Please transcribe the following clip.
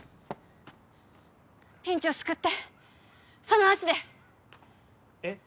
ピンチを救ってその足でえっ？